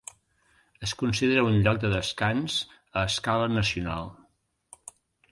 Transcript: Es considera un lloc de descans a escala nacional.